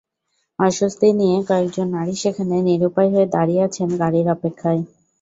অস্বস্তি নিয়ে কয়েকজন নারী সেখানে নিরুপায় হয়ে দাঁড়িয়ে আছেন গাড়ির অপেক্ষায়।